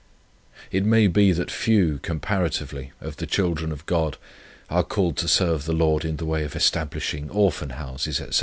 "It may be that few, comparatively, of the children of God are called to serve the Lord in the way of establishing Orphan Houses, &c.